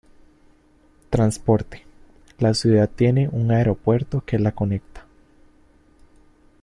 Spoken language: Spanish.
Transporte: la ciudad tiene un Aeropuerto que la conecta.